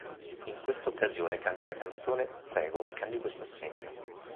In questa occasione canta la canzone "Prego mi cambi questo assegno".